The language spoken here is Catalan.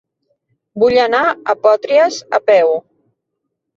Vull anar a Potries a peu.